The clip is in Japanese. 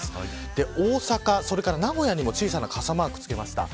大阪、名古屋にも小さな傘マークを付けました。